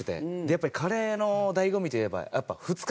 やっぱりカレーの醍醐味といえば。